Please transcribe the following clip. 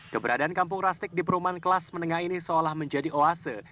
keberadaan kampung krastik di perumahan kelas menengah ini seolah menjadi oase